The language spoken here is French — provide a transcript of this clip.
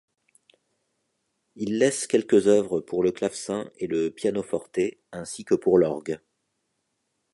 Il laisse quelques œuvres pour le clavecin et le piano-forte ainsi que pour l'orgue.